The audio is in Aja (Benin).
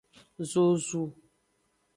Zozu.